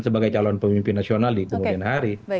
sebagai calon pemimpin nasional di kemudian hari